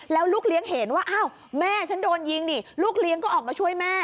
แล้วลูกเลี้ยงเห็นว่าอ้าวแม่ฉันโดนยิงนี่ลูกเลี้ยงก็ออกมาช่วยแม่